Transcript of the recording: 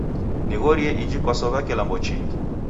Nighorie ijhi kwasow'a kilambo chingi.